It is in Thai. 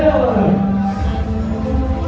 สโลแมคริปราบาล